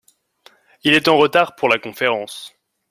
Il est en retard pour la conférence.